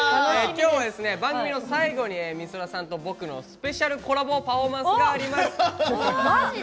きょう、番組の最後にみそらさんと僕のスペシャルコラボパフォーマンスがあります。